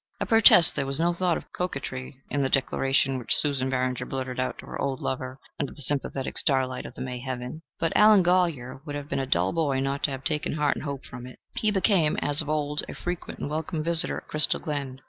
I protest there was no thought of coquetry in the declaration which Susan Barringer blurted out to her old lover under the sympathetic starlight of the May heaven. But Allen Golyer would have been a dull boy not to have taken heart and hope from it. He became, as of old, a frequent and welcome visitor at Crystal Glen.